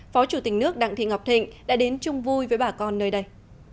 phó chủ tịch nước đặng thị ngọc thịnh đã đến chung vui với bà con nơi đây